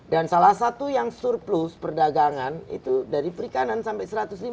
dan salah satu yang surplus perdagangan itu dari perikanan sampai satu ratus lima belas